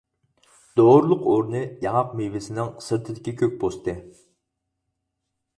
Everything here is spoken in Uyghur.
دورىلىق ئورنى ياڭاق مېۋىسىنىڭ سىرتىدىكى كۆك پوستى.